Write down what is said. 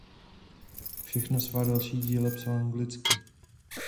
Všechna svá další díla psal anglicky.